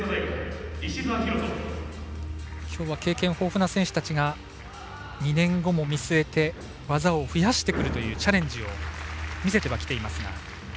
今日は経験豊富な選手たちが２年後も見据えて技を増やしてくるというチャレンジを見せてはきていますが。